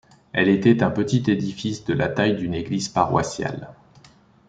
Elle était un petit édifice, de la taille d'une église paroissiale.